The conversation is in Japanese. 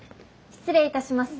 失礼いたします。